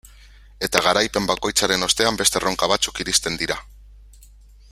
Eta garaipen bakoitzaren ostean beste erronka batzuk iristen dira.